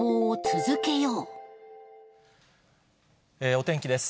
お天気です。